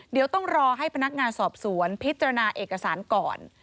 เดี๋ยวต้องรอให้พนักงานสอบสวนพิจารณาเอกสารก่อน